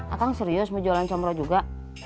akang serius mau jualan comroh juga